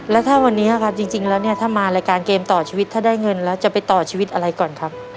แล้วถ้าวันนี้ครับจริงแล้วเนี่ยถ้ามารายการเกมต่อชีวิตถ้าได้เงินแล้วจะไปต่อชีวิตอะไรก่อนครับ